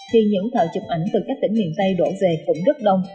thì những thợ chụp ảnh từ các tỉnh miền tây đổ về cũng rất đông